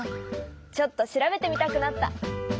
ちょっと調べてみたくなった。